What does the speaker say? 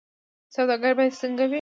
سوداګر باید څنګه وي؟